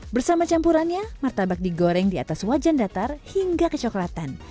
bersama campurannya martabak digoreng di atas wajan datar hingga kecoklatan